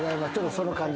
その感じで。